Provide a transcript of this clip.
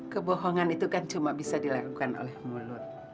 kebohongan itu kan cuma bisa dilakukan oleh mulut